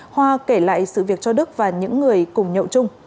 hoa kể lại sự việc cho đức và những người cùng nhậu chung